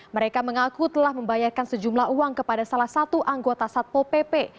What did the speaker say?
mereka mengaku telah membayarkan sejumlah uang kepada salah satu anggota satpo pp